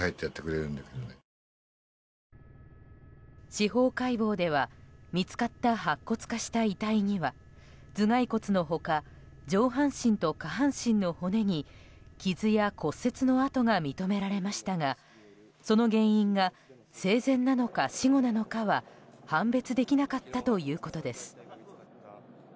司法解剖では見つかった白骨化した遺体には頭蓋骨の他上半身と下半身の骨に傷や骨折の痕が認められましたがその原因が生前なのか死後なのかは判別できなかったということです。